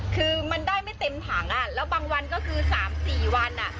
คือมันได้ไม่เต็มถังแล้วบางวันก็คือ๓๔วัน